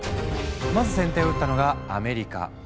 まず先手を打ったのがアメリカ。